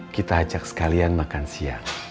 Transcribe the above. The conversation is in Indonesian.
kita ajak sekalian makan siang